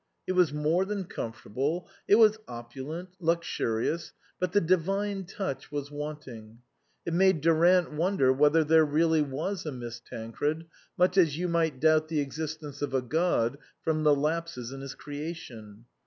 It was more than comfortable, it was opulent, luxurious ; but the divine touch was wanting. It made Durant wonder whether there really was a Miss Tancred, much as you might doubt the existence of a God from the lapses in his crea tion.